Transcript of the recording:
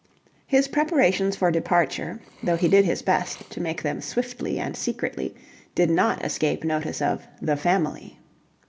His preparations for departure, though he did his best to make them swiftly and secretly, did not escape the notice of the Family.